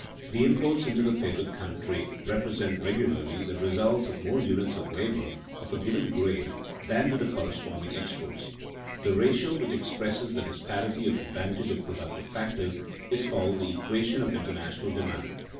The imports into the favored country represent regularly the results of more units of labor of a given grade than do the corresponding exports. The ratio which expresses the disparity of advantage of productive factors is called "the equation of international demand."